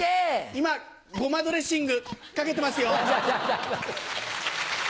今ごまドレッシングかけてますよ。